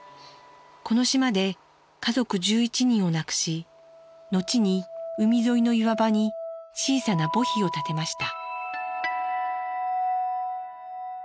この島で家族１１人を亡くし後に海沿いの岩場に小さな墓碑を建てました。